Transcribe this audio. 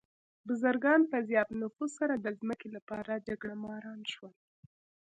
بزګران په زیات نفوس سره د ځمکې لپاره جګړهماران شول.